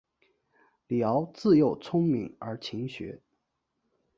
李鏊自幼聪明而勤学。